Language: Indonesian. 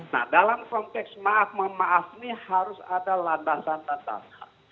nah dalam konteks maaf memaaf ini harus ada landasan lantas